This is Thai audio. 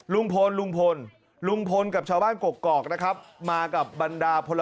ลุงพล